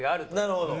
なるほど。